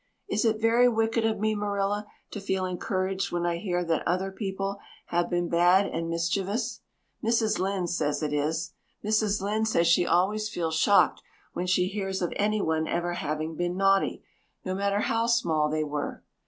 Is it very wicked of me, Marilla, to feel encouraged when I hear that other people have been bad and mischievous? Mrs. Lynde says it is. Mrs. Lynde says she always feels shocked when she hears of anyone ever having been naughty, no matter how small they were.